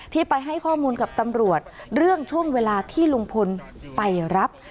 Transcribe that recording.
ที่ไปให้ข้อมูลกับตำรวจเรื่องช่วงเวลาที่ลุงพลไปรับ